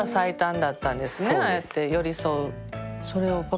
ああやって寄り添う。